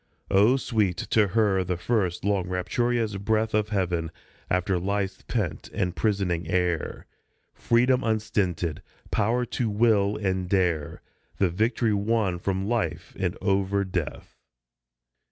Oh, sweet to her the first, long, rapturous breath Of Heaven, after life's pent and prisoning air ; Freedom unstinted, power to will and dare The victory won from Life and over Death.